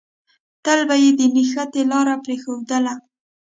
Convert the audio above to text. تل به يې د نښتې لاره پرېښودله.